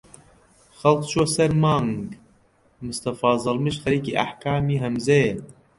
خەڵک چووە سەر مانگ مستەفا زەڵمیش خەریکی ئەحکامی هەمزیە